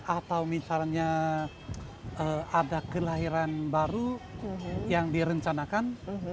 atau misalnya ada kelahiran baru yang direncanakan